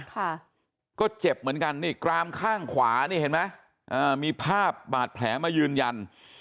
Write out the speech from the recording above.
ค่ะก็เจ็บเหมือนกันนี่กรามข้างขวานี่เห็นไหมอ่ามีภาพบาดแผลมายืนยัน